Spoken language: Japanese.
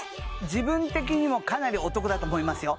自分的にもかなりお得だと思いますよ